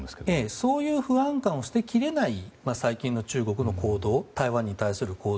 そういう不安感を捨てきれない最近の中国の台湾に対する行動